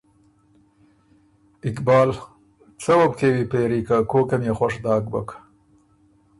اقبال: څۀ وه بو کېوی پېری که کوکه ميې خوش داک بُک،